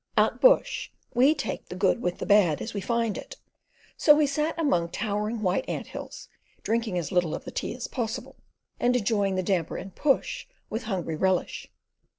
Out bush we take the good with the bad as we find it; so we sat among towering white ant hills, drinking as little of the tea as possible and enjoying the damper and "push" with hungry relish.